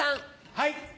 はい。